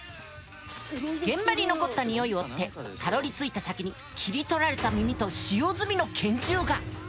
現場に残った匂いを追ってたどりついた先に切り取られた耳と使用済みの拳銃が！